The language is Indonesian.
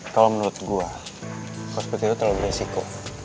kalau menurut gue kalau seperti itu terlalu beresiko